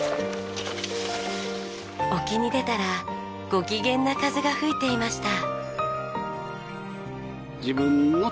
沖に出たらご機嫌な風が吹いていました。